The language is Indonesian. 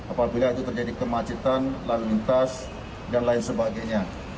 apabila itu terjadi kemacetan lalu lintas dan lain sebagainya